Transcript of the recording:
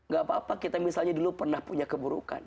gak apa apa kita misalnya dulu pernah punya keburukan